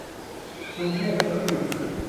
กรุงเทพธุรกิจ